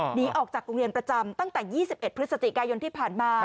หนีออกจากโรงเรียนประจำตั้งแต่๒๑พฤศจิกายนที่ผ่านมา